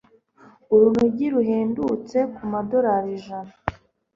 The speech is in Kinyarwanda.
Urunigi ruhendutse kumadorari ijana.